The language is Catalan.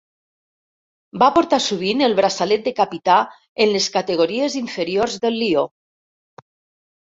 Va portar sovint el braçalet de capità en les categories inferiors del Lió.